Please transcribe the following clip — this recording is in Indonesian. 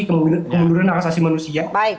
kemuduran akasasi manusia